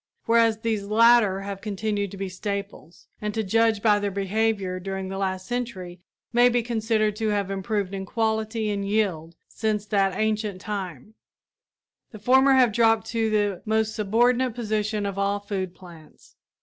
Whereas these latter have continued to be staples, and to judge by their behavior during the last century may be considered to have improved in quality and yield since that ancient time, the former have dropped to the most subordinate position of all food plants.